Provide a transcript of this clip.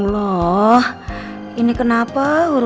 sup disrespect us bahasa ilmu